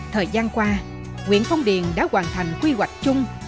thời gian qua huyện phong điền đã hoàn thành quy hoạch chung